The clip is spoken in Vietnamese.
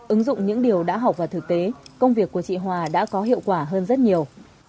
ứng dụng những điều đã học vào thực tế công việc của chị hòa đã có hiệu quả hơn rất nhiều